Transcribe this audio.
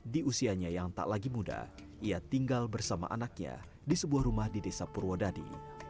di usianya yang tak lagi muda ia tinggal bersama anaknya di sebuah rumah di desa purwodadi